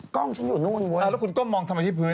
ก้มฉันอยู่นู่นเว้ยหลอห์กล้มมองทำไมคุณปืน